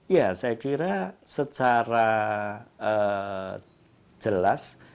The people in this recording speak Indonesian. ya saya kira secara jelas